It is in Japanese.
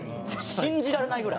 信じられないぐらい。